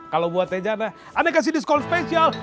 kalau buat teh jana aneh kasih diskon spesial